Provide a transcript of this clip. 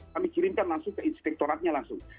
kami kirimkan langsung ke inspektoratnya langsung